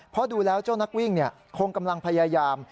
เพราะดูแล้วเจ้านักวิ่งคงกำลังพยายาม